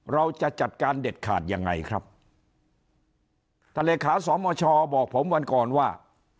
เราจะจัดการเด็ดขาดยังไงครับท่านเลขาสมชบอกผมวันก่อนว่า